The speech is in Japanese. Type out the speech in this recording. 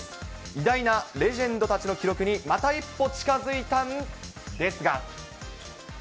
偉大なレジェンドたちの記録にまた一歩近づいたんですが。